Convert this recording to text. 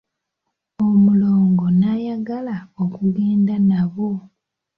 Mulongo n'ayagala okugenda nabo.